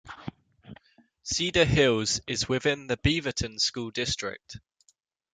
Cedar Hills is within the Beaverton School District.